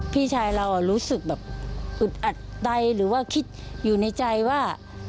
พี่ชายเรารู้สึกแบบอึดอัดใจหรือว่าคิดอยู่ในใจว่า